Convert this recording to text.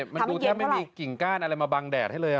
มันดูแทบไม่มีกิ่งก้านอะไรมาบังแดดให้เลย